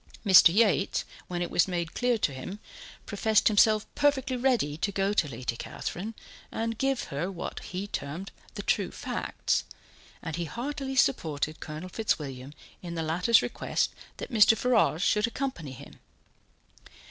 Mr. Yates, when it was made clear to him, professed himself perfectly ready to go to Lady Catherine and give her what he termed the true facts, and he heartily supported Colonel Fitzwilliam in the latter's request that Mr. Ferrars should accompany him.